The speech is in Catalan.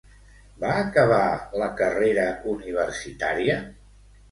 Va acabar la carrera universitària?